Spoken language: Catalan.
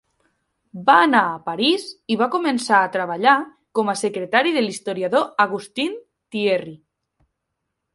Va anar a París i va començar a treballar com a secretari de l'historiador Augustin Thierry.